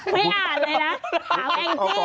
ไม่อ่านเลยนะ